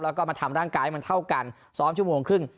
แล้วก็มาทำร่างกายให้มันเท่ากันซ้อมชั่วโมงครึ่ง